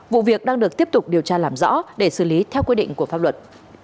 vụ việc đang được tiếp tục điều tra làm rõ để xử lý theo quy định của pháp luật